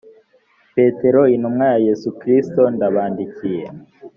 petero intumwa ya yesu kristo ndabandikiye